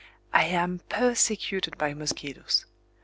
I am persecuted by mosquitoes.